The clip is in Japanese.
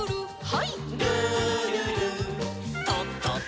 はい。